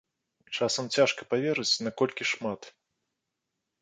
Часам цяжка паверыць, наколькі шмат.